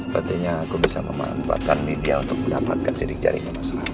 sepertinya aku bisa memanfaatkan media untuk mendapatkan sidik jarinya mas rafi